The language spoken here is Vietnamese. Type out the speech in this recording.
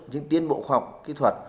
những tiến bộ khoa học kỹ thuật